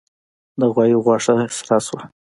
د غوايي غوښه سره شوه.